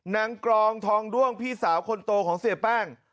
กรองทองด้วงพี่สาวคนโตของเสียแป้ง